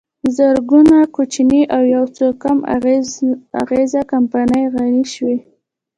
زرګونه کوچنۍ او یوڅو کم اغېزه کمپنۍ غني شوې